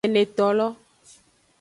Enetolo.